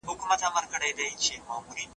تاسو ډیر ګټور یاست کله چي مثبت فکر کوئ.